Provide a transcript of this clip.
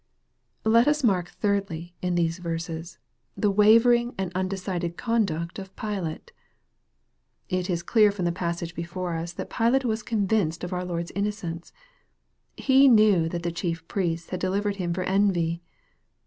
Let us mark, thirdly, in these verses, the wavering and undecided conduct of Pilate. It is clear from the passage before us that Pilate was convinced of our Lord's innocence. " He knew that the chief priests had delivered him for envy."